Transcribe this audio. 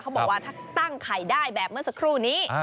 บอกว่าถ้าตั้งไข่ได้แบบเมื่อสักครู่นี้